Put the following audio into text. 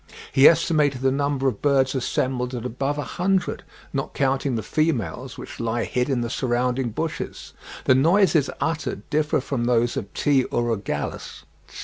He estimated the number of birds assembled at above a hundred, not counting the females, which lie hid in the surrounding bushes. The noises uttered differ from those of T. urogallus.)